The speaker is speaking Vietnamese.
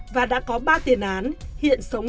và đã có ba tiền án hiện sống